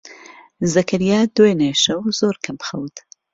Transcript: زەکەریا دوێنێ شەو زۆر کەم خەوت.